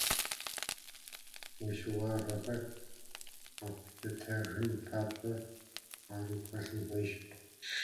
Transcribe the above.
Уи щыуагъэхэр къэплъытэжын папщӏэ къару пхэлъын хуейщ.